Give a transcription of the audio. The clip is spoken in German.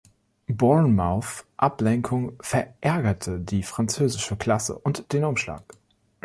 Bournemouths Ablenkung verärgerte die französische Klasse und den Umschlag.